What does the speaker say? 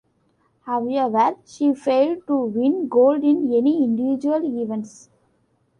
However, she failed to win gold in any individual events.